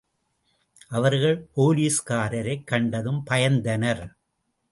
அவர்கள் போலீஸ்காரரைக் கண்டதும் பயந்தனர்.